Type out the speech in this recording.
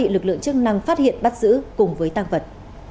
lực lượng chức năng phát hiện bắt giữ cùng với tăng vật